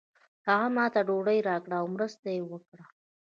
هغه ماته ډوډۍ راکړه او مرسته یې وکړه.